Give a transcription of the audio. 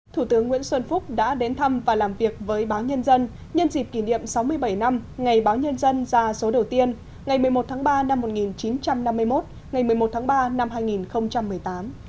thủ tướng nguyễn xuân phúc đã đến thăm và làm việc với báo nhân dân nhân dịp kỷ niệm sáu mươi bảy năm ngày báo nhân dân ra số đầu tiên ngày một mươi một tháng ba năm một nghìn chín trăm năm mươi một ngày một mươi một tháng ba năm hai nghìn một mươi tám